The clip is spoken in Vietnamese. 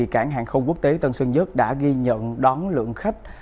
cảng hàng không quốc tế tân sơn nhất đã ghi nhận đón lượng khách